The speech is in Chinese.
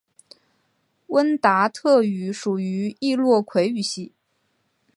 温达特语属于易洛魁语系。